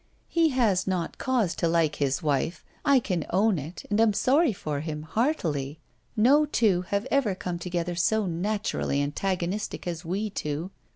He has not cause to like his wife. I can own it, and I am sorry for him, heartily. No two have ever come together so naturally antagonistic as we two.